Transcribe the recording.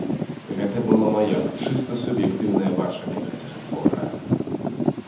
Гэта было маё, чыста суб'ектыўнае бачанне гэтага твора.